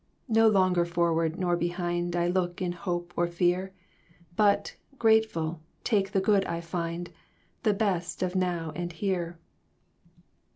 " No longer forward nor behind I look in hope or fear; But, grateful, take the good I find, The best of now and here."